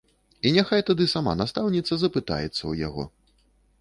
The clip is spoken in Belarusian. І няхай тады сама настаўніца запытаецца ў яго.